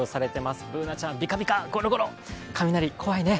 Ｂｏｏｎａちゃん、ビカビカ、ゴロゴロ、雷怖いね。